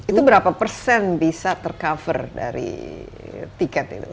itu berapa persen bisa tercover dari tiket itu